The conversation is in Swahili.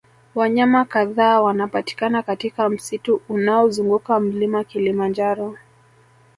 Wanyama kadhaa wanapatikana katika msitu unaozunguka mlima kilimanjaro